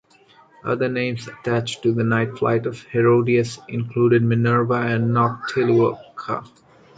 Other names attached to the night flight of Herodias included "Minerva" and "Noctiluca".